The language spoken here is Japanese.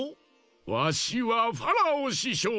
わしはファラオししょう！